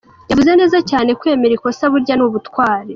Yavuze neza cyane kwemera ikosa burya ni ubutwari.